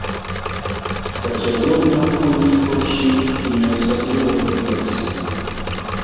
Хаця ён, мяркуючы па ўсім, і не асабліва імкнецца.